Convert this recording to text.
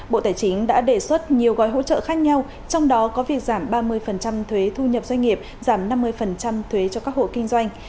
bộ tài chính đã đề xuất nhiều gói hỗ trợ khác nhau trong đó có việc giảm ba mươi thuế thu nhập doanh nghiệp giảm năm mươi thuế cho các hộ kinh doanh